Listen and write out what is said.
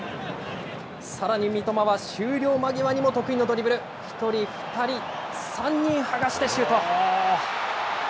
さらに三笘は終了間際にも得意のドリブル、１人、２人、３人はがしてシュート。